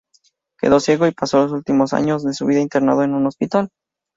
Quedó ciego y pasó los últimos años de su vida internado en un hospital.